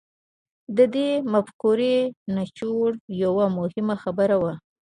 د دې مفکورې نچوړ يوه مهمه خبره وه.